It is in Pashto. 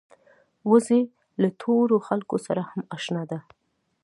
وزې له تورو خلکو سره هم اشنا ده